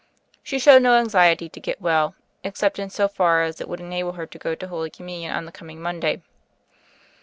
She showed no anxiety to get well, except in so far as it would enable her to go to Holy Com munion on the coming Monday.